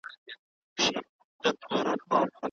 هغې د مالک سوداګریز رازونه افشا نه کړل.